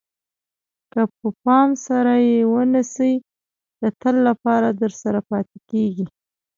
که په پام سره یې ونیسئ د تل لپاره درسره پاتې کېږي.